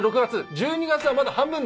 １２月はまだ半分だ。